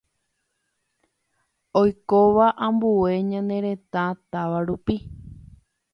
oikóva ambue ñane retã táva rupi